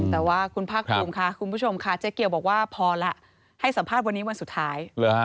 แต่ว่าคุณภาคภูมิค่ะคุณผู้ชมค่ะเจ๊เกียวบอกว่าพอแล้วให้สัมภาษณ์วันนี้วันสุดท้าย